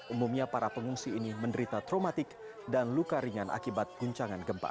umumnya para pengungsi ini menderita traumatik dan luka ringan akibat guncangan gempa